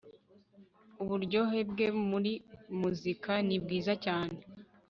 Uburyohe bwe muri muzika ni bwiza cyane